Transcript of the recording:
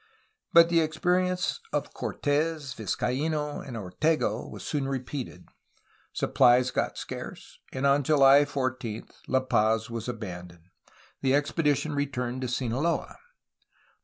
But the experience of Cortes, Vizcaino, and Ortega was soon repeated. Supplies got scarce, and on July 14 La Paz was abandoned. The expedition returned to Sinaloa.